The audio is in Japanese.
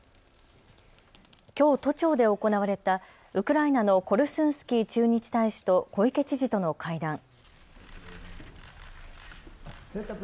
きょう都庁で行われたウクライナのコルスンスキー駐日大使と小池知事との会談。